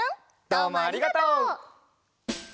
どうもありがとう！